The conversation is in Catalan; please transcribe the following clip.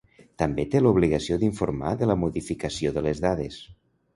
També té l'obligació d'informar de la modificació de les dades.